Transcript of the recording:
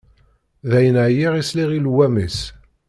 Dayen, εyiɣ i sliɣ i llwam-is.